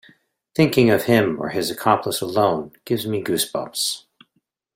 Thinking of him or his accomplice alone gives me goose bumps.